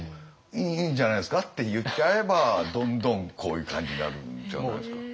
「いいんじゃないですか」って言っちゃえばどんどんこういう感じになるんじゃないですか。